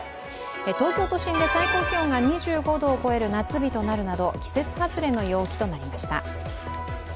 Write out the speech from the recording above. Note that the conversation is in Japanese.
東京都心で最高気温が２５度を超える夏日となるなど季節外れの陽気となりました。